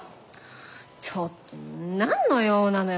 ちょっと何の用なのよ